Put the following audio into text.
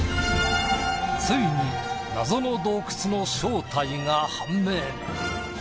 ついに謎の洞窟の正体が判明！